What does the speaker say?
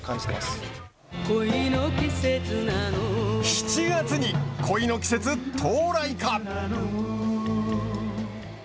７月に、鯉の季節、到来か。